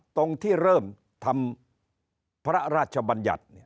ตรงที่เริ่มทำพระราชบัญญัติ